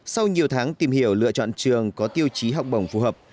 sau nhiều tháng tìm hiểu lựa chọn trường có tiêu chí học bổng phù hợp